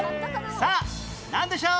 さあなんでしょう？